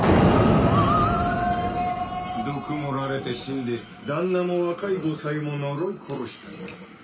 毒盛られて死んで旦那も若い後妻も呪い殺したっけ。